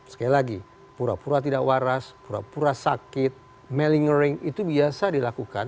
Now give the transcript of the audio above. sekali lagi pura pura tidak waras pura pura sakit melingering itu biasa dilakukan